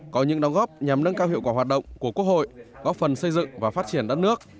có những đóng góp nhằm nâng cao hiệu quả hoạt động của quốc hội góp phần xây dựng và phát triển đất nước